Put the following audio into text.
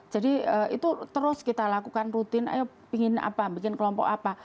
jadi itu terus kita lakukan rutin ayo ingin apa bikin kelompok apa